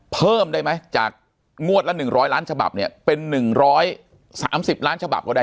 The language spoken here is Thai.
เพิ่มได้ไหมจากงวดละ๑๐๐ล้านฉบับเนี่ยเป็น๑๓๐ล้านฉบับก็ได้